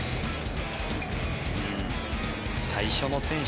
最初の選手